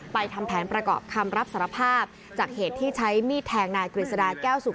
ทำแผนประกอบคำรับสารภาพจากเหตุที่ใช้มีดแทงนายกฤษฎาแก้วสุข